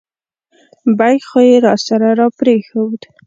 بیک خو یې راسره را پرېښود.